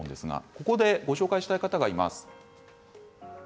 ここでご紹介したい方がいらっしゃいます。